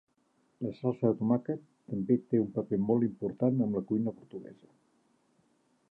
La salsa de tomàquet també té un paper molt important en la cuina portuguesa.